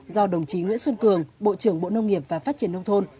do đồng chí nguyễn xuân cường bộ trưởng bộ nông nghiệp và phát triển nông thôn